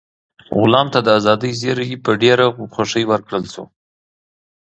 غلام ته د ازادۍ زېری په ډېره خوښۍ ورکړل شو.